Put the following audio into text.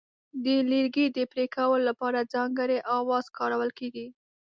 د لرګي د پرې کولو لپاره ځانګړي اوزار کارول کېږي.